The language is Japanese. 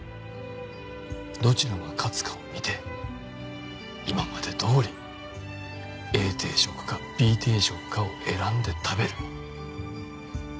どちらが勝つかを見て今までどおりＡ定食かＢ定食かを選んで食べる。